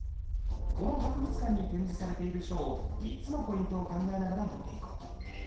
この博物館に展示されている書を３つのポイントを考えながら見ていこう。